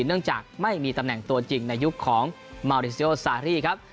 เนื่องจากไม่มีตำแหน่งตัวจริงในยุคของมาริเซียโอซารี่ครับ